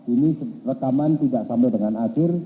ini rekaman tidak sampai dengan akhir